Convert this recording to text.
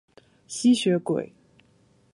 吸血鬼